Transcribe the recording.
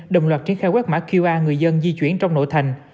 đồng loạt triển khai quét mã qr người dân di chuyển trong nội thành